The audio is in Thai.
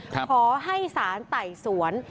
ขอให้สารไต่สวน